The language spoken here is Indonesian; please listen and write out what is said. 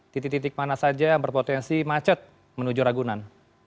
titik titik mana saja yang berpotensi macet menuju ragunan